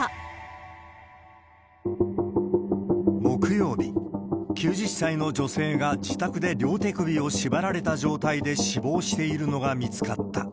木曜日、９０歳の女性が自宅で両手首を縛られた状態で死亡しているのが見つかった。